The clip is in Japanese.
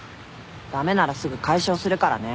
駄目ならすぐ解消するからね。